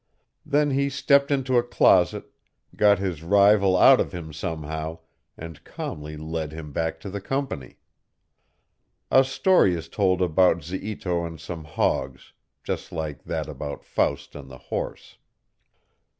Then he stepped into a closet, got his rival out of him somehow, and calmly led him back to the company. A story is told about Ziito and some hogs, just like that about Faust and the horse.